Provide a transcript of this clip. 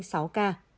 đã bảy sáu ca